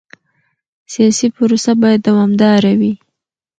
سیاسي پروسه باید دوامداره وي